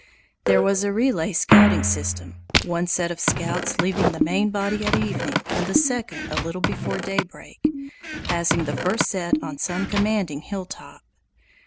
There was a relay scouting system, one set of scouts leaving the main body at evening and the second a little before daybreak, passing the first set on some commanding hill top.